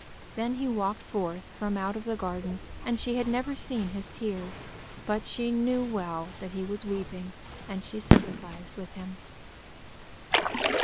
Then he walked forth from out of the garden, and she had never seen his tears. But she knew well that he was weeping, and she sympathized with him.